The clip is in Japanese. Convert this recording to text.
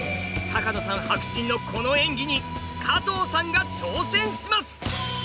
多加野さん迫真のこの演技に加藤さんが挑戦します！